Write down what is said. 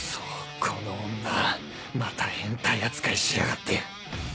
この女また変態扱いしやがって